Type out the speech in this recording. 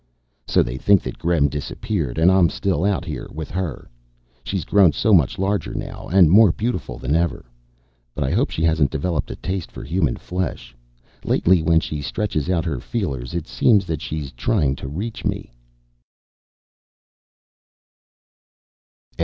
So they think that Gremm disappeared. And I'm still out here with her. She's grown so much larger now, and more beautiful than ever. But I hope she hasn't developed a taste for human flesh. Lately, when she stretches out her feelers, it seems that she's trying to reach me.